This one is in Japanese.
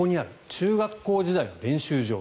中学校時代の練習場。